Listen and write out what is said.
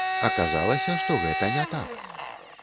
Аказалася, што гэта не так.